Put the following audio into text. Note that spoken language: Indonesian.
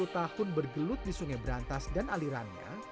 dua puluh tahun bergelut di sungai berantas dan alirannya